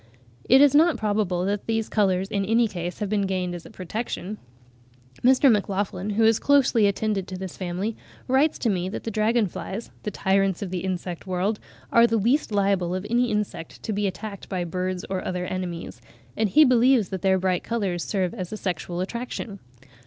It is not probable that their colours in any case have been gained as a protection. Mr. MacLachlan, who has closely attended to this family, writes to me that dragon flies—the tyrants of the insect world—are the least liable of any insect to be attacked by birds or other enemies, and he believes that their bright colours serve as a sexual attraction.